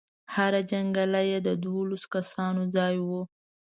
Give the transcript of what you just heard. هره جنګله کې د دولسو کسانو ځای و.